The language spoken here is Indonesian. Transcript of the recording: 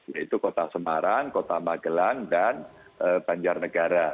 yaitu kota semarang kota magelang dan banjarnegara